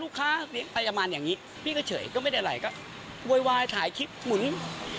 พี่ก็เฉยก็ไม่ได้ไรก็โวยวายถ่ายคลิปหมุน